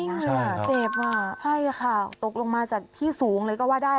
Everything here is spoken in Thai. เจ็บอ่ะใช่ค่ะตกลงมาจากที่สูงเลยก็ว่าได้